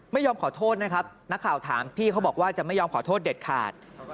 ไม่ยอมขอโทษนะครับนักข่าวถามพี่เขาบอกว่าจะไม่ยอมขอโทษเด็ดขาด